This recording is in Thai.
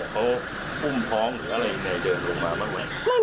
เขาอุ้มท้องหรืออะไรยังไงเดินลงมาบ้างไหม